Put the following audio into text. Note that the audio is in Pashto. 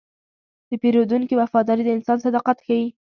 د پیرودونکي وفاداري د انسان صداقت ښيي.